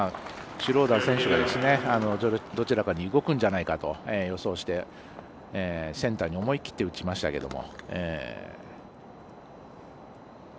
シュローダー選手がどちらかに動くんじゃないかと予想してセンターに思い切って打ちましたけども。